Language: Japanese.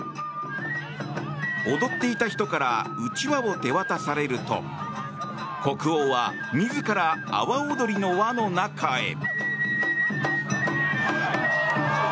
踊っていた人からうちわを手渡されると国王は自ら阿波踊りの輪の中へ。